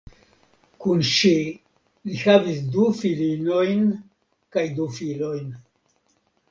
Kun ŝi li havis du filinojn kaj du filojn.